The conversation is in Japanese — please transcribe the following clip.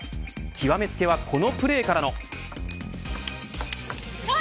極めつけはこのプレーからの。